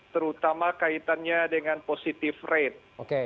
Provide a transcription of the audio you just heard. terutama kaitannya dengan positive rate